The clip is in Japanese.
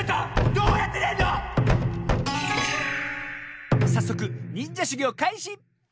どうやってでんの⁉さっそくにんじゃしゅぎょうかいし！